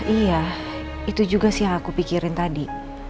iya itu juga sih yang aku pikirin tadi